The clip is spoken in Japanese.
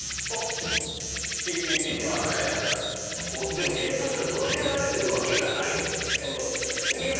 でも警察署に届けられてるわけがないと思って。